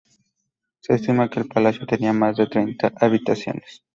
Se estima que el palacio tenía más de treinta habitaciones.